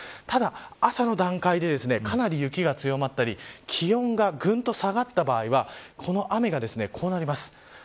ただ朝の段階でかなり雪が強まったり気温が、ぐんと下がった場合はこの雨が、こうなります。